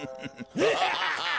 アハハハハ！